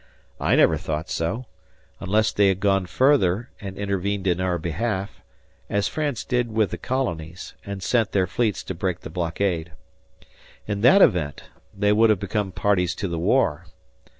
I never thought so, unless they had gone further and intervened in our behalf, as France did with the Colonies, and sent their fleets to break the blockade. In that event they would have become parties to the war.